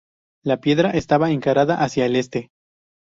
La piedra estaba encarada hacia el este.